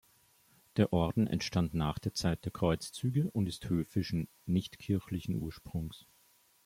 Der Orden entstand nach der Zeit der Kreuzzüge und ist höfischen, nicht kirchlichen Ursprungs.